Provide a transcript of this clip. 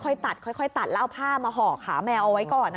ตัดค่อยตัดแล้วเอาผ้ามาห่อขาแมวเอาไว้ก่อน